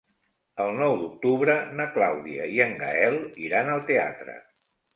El nou d'octubre na Clàudia i en Gaël iran al teatre.